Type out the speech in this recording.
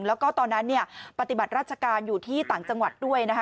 แล้วก็ตอนนั้นปฏิบัติราชการอยู่ที่ต่างจังหวัดด้วยนะคะ